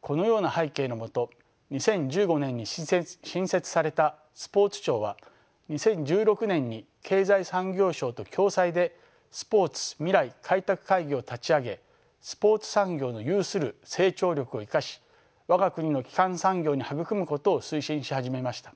このような背景のもと２０１５年に新設されたスポーツ庁は２０１６年に経済産業省と共催でスポーツ未来開拓会議を立ち上げスポーツ産業の有する成長力を生かし我が国の基幹産業に育むことを推進し始めました。